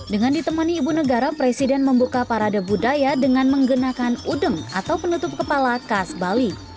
dengan ditemani ibu negara presiden membuka parade budaya dengan menggunakan udeng atau penutup kepala khas bali